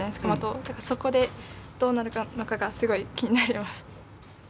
だからそこでどうなるのかがすごい気になります。